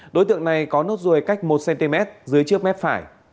đối tượng này có nốt ruồi cách một cm dưới trước mép phải